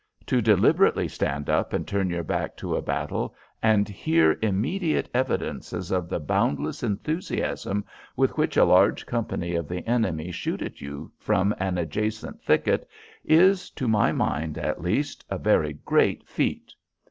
To deliberately stand up and turn your back to a battle and hear immediate evidences of the boundless enthusiasm with which a large company of the enemy shoot at you from an adjacent thicket is, to my mind at least, a very great feat.